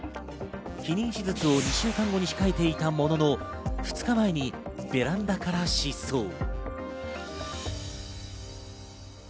避妊手術を２週間後に控えていたものの２日前にベランダから失踪。